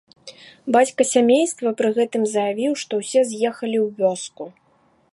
Бацька сямейства пры гэтым заявіў, што ўсе з'ехалі ў вёску.